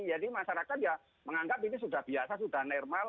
jadi masyarakat ya menganggap ini sudah biasa sudah normal